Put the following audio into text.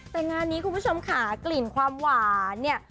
แต่งานนี้คุณผู้ชมค่ะกลิ่นความหวานเนี่ย